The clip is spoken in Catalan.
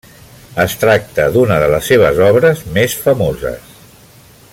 Es tracta d'una de les seves obres més famoses.